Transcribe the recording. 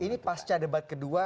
ini pasca debat kedua